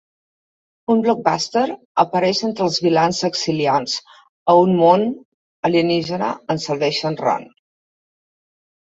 Un Blockbuster apareix entre els vilans exiliats a un mon alienígena en "Salvation Run".